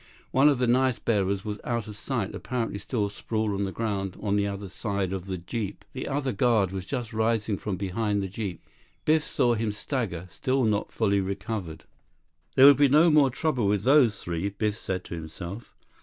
One of the knife bearers was out of sight, apparently still sprawled on the ground on the other side of the jeep. The other guard was just rising from behind the jeep. Biff saw him stagger, still not fully recovered. 34 He ran back toward the terminal building 35 There would be no more trouble with those three, Biff said to himself.